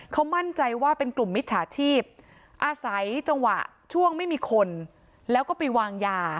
เขามั่นใจว่าเป็นกลุ่มมิจฉาชีพอาศัยจังหวะช่วงไม่มีคนแล้วก็ไปวางยา